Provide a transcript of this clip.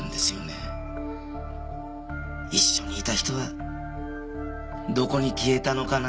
一緒にいた人はどこに消えたのかな？